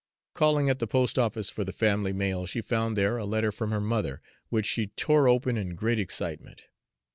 Calling at the post office for the family mail, she found there a letter from her mother, which she tore open in great excitement.